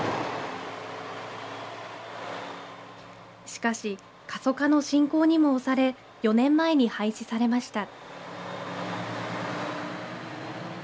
しかし過疎化の進行にも押され４年前に廃止されました。